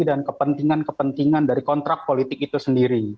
dan kepentingan kepentingan dari kontrak politik itu sendiri